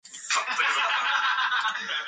He made Galicia a province of the Goths.